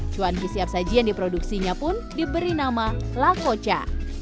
cuan kisiap saji yang diproduksinya pun diberi nama lakoca